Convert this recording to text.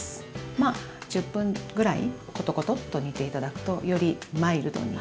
まあ１０分ぐらいコトコトと煮て頂くとよりマイルドに。